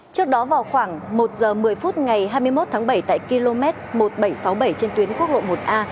trước đó vào khoảng một giờ một mươi phút ngày hai mươi một tháng bảy tại km một nghìn bảy trăm sáu mươi bảy trên tuyến quốc lộ một a